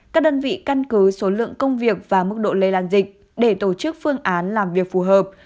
các đơn vị căn cứ số lượng công việc và mức độ lây lan dịch để tổ chức phương án làm việc phù hợp